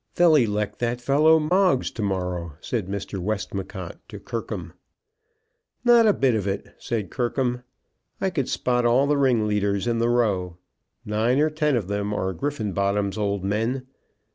"They'll elect that fellow Moggs to morrow," said Mr. Westmacott to Kirkham. "No a bit of it," said Kirkham. "I could spot all the ringleaders in the row. Nine or ten of them are Griffenbottom's old men.